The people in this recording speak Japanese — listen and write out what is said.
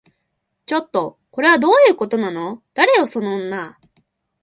ちょっと、これはどういうことなの？誰よその女